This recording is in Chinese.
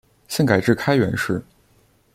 现改置开原市。